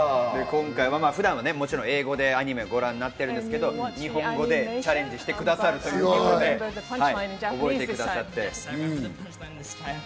今回、普段はもちろん英語でアニメをご覧になってるんですけど、日本語でチャレンジしてくださるということで、覚えてくださったんです。